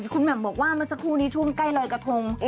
คุณแหม่มบอกว่าเมื่อสักครู่นี้ช่วงใกล้ลอยกระทง